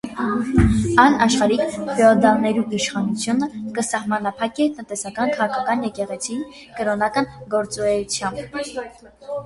Ան աշխարհիկ ֆեոդալներու իշխանութիւնը կը սահմանափակէ տնտեսական, քաղաքական, եկեղեցին՝ կրօնական գործնէութեամբ։